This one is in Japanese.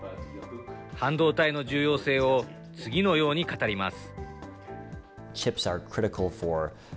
半導体の重要性を次のように語ります。